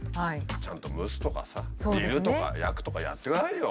ちゃんと蒸すとかさ煮るとか焼くとかやってくださいよ